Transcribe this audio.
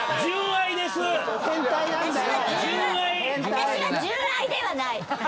私は純愛ではない。